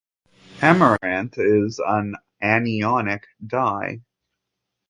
Amaranth is an anionic dye.